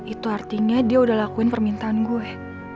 itu artinya dia udah lakuin permintaan gue